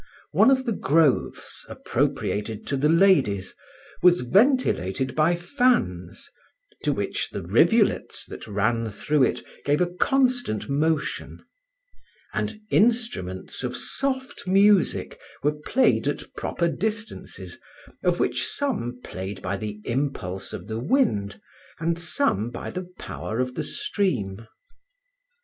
One of the groves, appropriated to the ladies, was ventilated by fans, to which the rivulets that ran through it gave a constant motion; and instruments of soft music were played at proper distances, of which some played by the impulse of the wind, and some by the power of the stream.